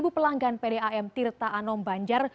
dua ribu pelanggan pdam tirta anom banjar